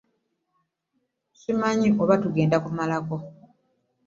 Simanyi oba tugenda kumalako.